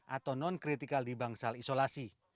atau non kritikal di bangsal isolasi